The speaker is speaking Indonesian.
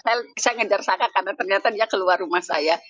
saya ngejar saka karena ternyata dia keluar rumah saya